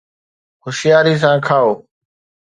هوشياري سان کائو